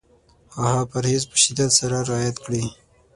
او هغه پرهېز په شدت سره رعایت کړي.